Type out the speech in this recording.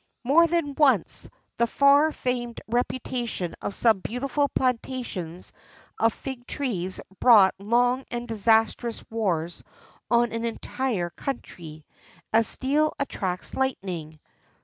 [XIII 60] More than once the far famed reputation of some beautiful plantations of fig trees brought long and disastrous wars on an entire country, as steel attracts lightning.